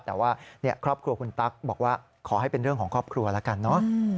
แต่ว่าครอบครัวคุณตั๊กบอกว่าขอให้เป็นเรื่องของครอบครัวแล้วกันเนอะ